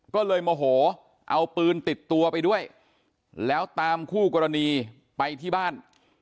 ก็เลยโมโหเอาปืนติดตัวไปด้วยแล้วตามคู่กรณีไปที่บ้าน